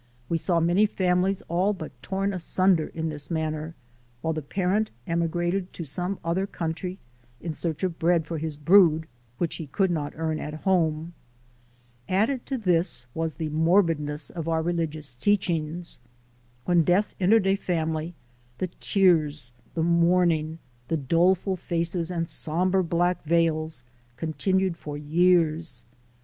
We saw many families all but torn asunder in this manner, while the parent emigrated to some other country in search of bread for his brood, which he could not earn at home. Added to this was the AMERICAN PHILOSOPHY OF LIFE 291 morbidness of our religious teachings. When death entered a family, the tears, the mourning, the doleful faces and somber black veils continued for years.